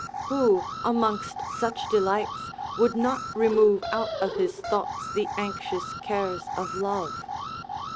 ["Who, amongst such delights would not remove out of his thoughts the anxious cares of love."